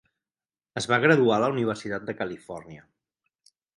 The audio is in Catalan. Es va graduar a la Universitat de Califòrnia.